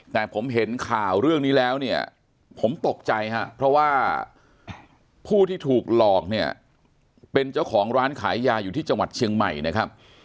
แต่ผมเห็นข่าวเรื่องนี้แล้วเนี่ยผมตกใจครับเพราะว่าผู้ที่ถูกหลอกเนี่ยเป็นเจ้าของร้านขายยาอยู่ที่จังหวัดเชียงใหม่นะครับ